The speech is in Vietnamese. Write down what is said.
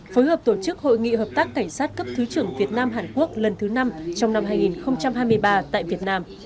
phối hợp tổ chức hội nghị hợp tác cảnh sát cấp thứ trưởng việt nam hàn quốc lần thứ năm trong năm hai nghìn hai mươi ba tại việt nam